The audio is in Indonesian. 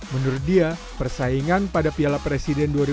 menurut dia persaingan pada piala presiden dua ribu dua puluh dua cukup ketat